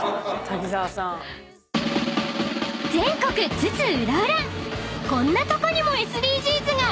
［全国津々浦々こんなとこにもＳＤＧｓが！］